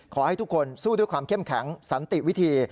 ขอให้ทุกคนสู้ด้วยความเข้มแข็งสันติวิธี